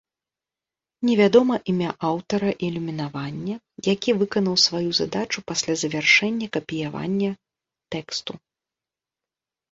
Не вядома імя аўтара ілюмінавання, які выканаў сваю задачу пасля завяршэння капіявання тэксту.